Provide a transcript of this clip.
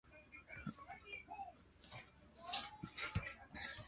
He has "Love Song" tattooed on his knuckles.